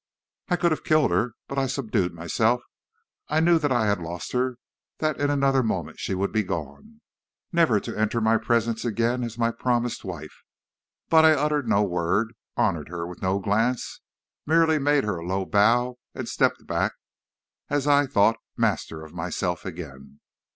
"I could have killed her, but I subdued myself. I knew that I had lost her; that in another moment she would be gone, never to enter my presence again as my promised wife; but I uttered no word, honored her with no glance; merely made her a low bow and stepped back, as I thought, master of myself again.